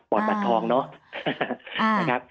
บอร์ดบัตรทองนะครับ